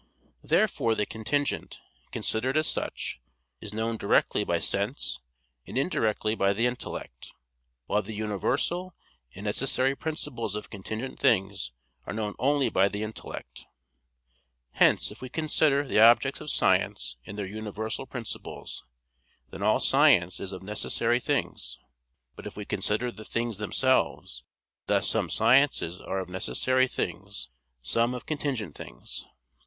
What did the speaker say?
Therefore the contingent, considered as such, is known directly by sense and indirectly by the intellect; while the universal and necessary principles of contingent things are known only by the intellect. Hence if we consider the objects of science in their universal principles, then all science is of necessary things. But if we consider the things themselves, thus some sciences are of necessary things, some of contingent things.